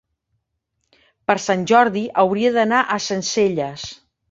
Per Sant Jordi hauria d'anar a Sencelles.